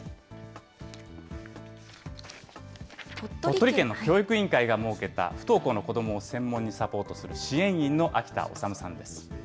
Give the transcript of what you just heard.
鳥取県の教育委員会が設けた不登校の子どもを専門にサポートする支援員の秋田治さんです。